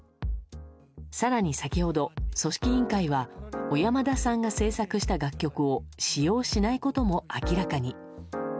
更に先ほど、組織委員会は小山田さんが制作した楽曲を使用しないことも明らかに。